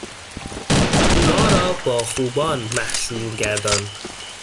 ما را با خوبان محشور گردان